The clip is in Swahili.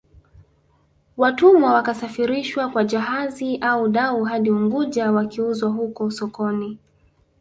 Watumwa wakasafirishwa kwa jahazi au dau hadi Unguja wakiuzwa huko sokoni